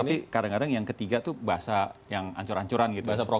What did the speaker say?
tapi kadang kadang yang ketiga tuh bahasa yang ancur ancuran gitu